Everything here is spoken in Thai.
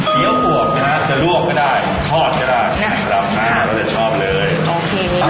เกี๊ยวหัวกนะครับจะลวกก็ได้ทอดก็ได้เราจะชอบเลย